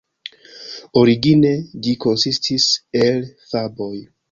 Origine, ĝi konsistis el faboj.